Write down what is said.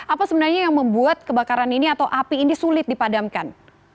apa sebenarnya yang membuat kebakaran ini atau api ini sulit dipadamkan